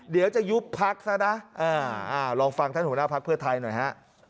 เดี๋ยวจะยุบพักซะนะลองฟังท่านหัวหน้าพักเพื่อไทยหน่อยฮะ